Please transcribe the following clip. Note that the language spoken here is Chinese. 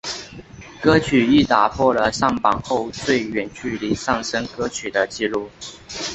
歌曲亦打破了上榜后最远距离上升歌曲的记录。